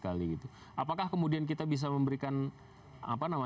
apakah kemudian kita bisa memberikan